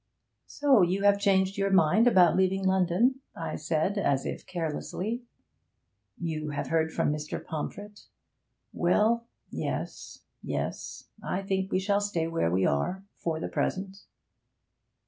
'So you have changed your mind about leaving London?' I said, as if carelessly. 'You have heard from Mr. Pomfret? Well yes, yes I think we shall stay where we are for the present.'